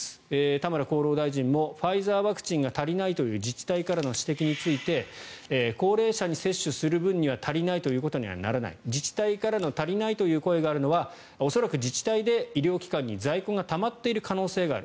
田村厚労大臣もファイザーワクチンが足りないという自治体からの指摘について高齢者に接種する分には足りないということにはならない自治体からの足りないという声があるのは恐らく自治体で医療機関に在庫がたまっている可能性がある。